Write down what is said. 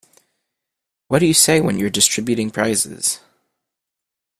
What do you say when you're distributing prizes?